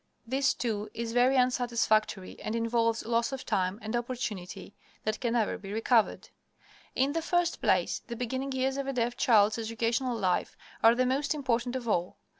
This, too, is very unsatisfactory, and involves loss of time and opportunity that can never be recovered. In the first place, the beginning years of a deaf child's educational life are the most important of all.